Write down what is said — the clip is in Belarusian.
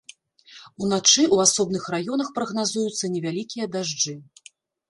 Уначы ў асобных раёнах прагназуюцца невялікія дажджы.